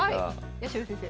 八代先生